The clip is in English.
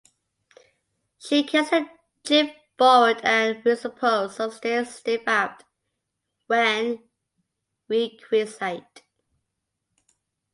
She carries a jib forward and, we suppose, some steering sail aft, when requisite.